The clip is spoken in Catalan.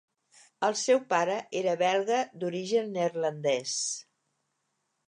El seu pare era belga d'origen neerlandès.